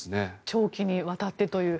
長期にわたってという。